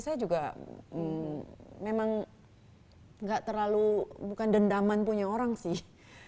saya juga memang gak terlalu bukan dendaman punya orang sih